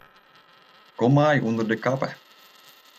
Kom mei ûnder de kappe.